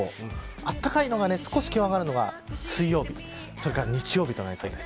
あったかいのか少し気温が上がるのが水曜日それから日曜日となりそうです。